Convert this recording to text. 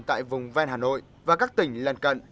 tại vùng ven hà nội và các tỉnh lân cận